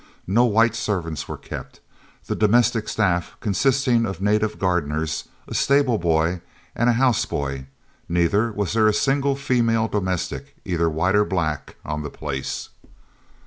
No white servants were kept, the domestic staff consisting of native gardeners, a stable boy, and a house boy, neither was there a single female domestic, either white or black, on the place.